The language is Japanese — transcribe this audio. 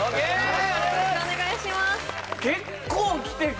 よろしくお願いします